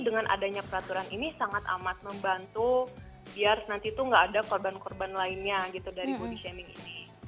dengan adanya peraturan ini sangat amat membantu biar nanti tuh nggak ada korban korban lainnya gitu dari body shaming ini